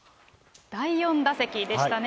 第４打席でしたね。